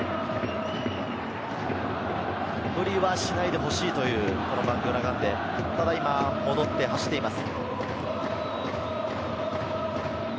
無理はしないでほしいというバングーナガンデ、ただ今、戻って走っています。